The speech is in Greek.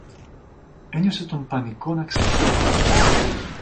Ένιωσε τον πανικό να ξεχύνεται